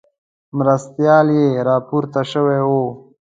مرستیال یې راپورته شوی وو.